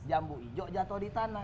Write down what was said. jambu hijau jatuh di tanah